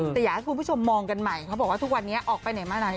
แต่อยากให้คุณผู้ชมมองกันใหม่เขาบอกว่าทุกวันนี้ออกไปไหนมาไหน